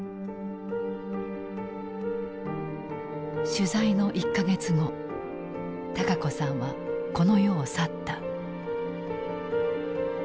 取材の１か月後孝子さんはこの世を去った。